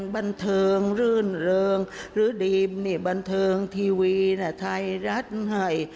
บันเทิงรื่นเริงหรือดีมนี่บันเทิงทีวีนะไทยรัฐให้